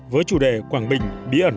với chủ đề quảng bình bí ẩn